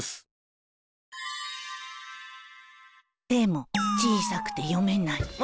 手も小さくて読めない。